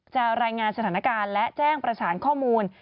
รายงานสถานการณ์และแจ้งประสานข้อมูล